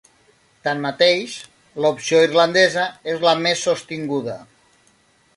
Tanmateix, l'opció irlandesa és la més sostinguda.